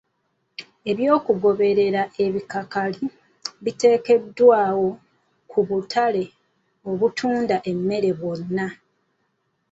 Eby'okugoberera ebikakali, biteekeddwawo ku butale obutunda emmere bwonna.